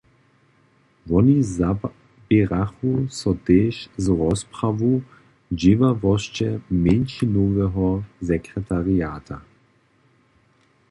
Woni zaběrachu so tež z rozprawu dźěławosće mjeńšinoweho sekretariata.